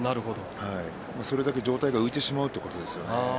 それだけ上体が浮いてしまうということですよね。